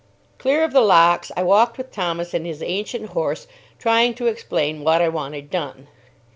Clear of the locks, I walked with Thomas and his ancient horse, trying to explain what I wanted done.